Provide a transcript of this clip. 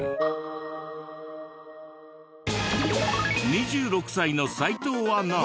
２６歳の斎藤アナ